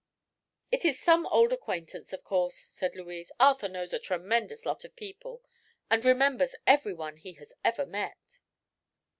"It is some old acquaintance, of course," said Louise. "Arthur knows a tremendous lot of people and remembers everyone he ever has met."